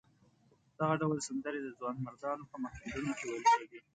دغه ډول سندرې د ځوانمردانو په محفلونو کې ویل کېدې.